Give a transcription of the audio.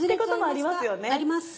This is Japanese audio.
あります。